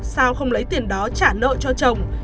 sao không lấy tiền đó trả nợ cho chồng